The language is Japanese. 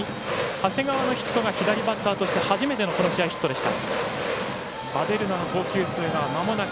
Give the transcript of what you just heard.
長谷川のヒットが左バッターとして初めてのこの試合、ヒットでした。